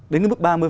đến cái mức ba mươi